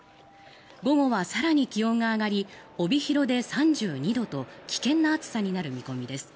午後は更に気温が上がり帯広で３２度と危険な暑さになる見込みです。